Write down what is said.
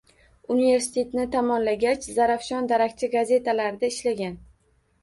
Universitetni tamomlagach, Zarafshon, Darakchi gazetalarida ishlagan